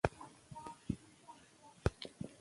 عربي خط ډېر ډولونه لري.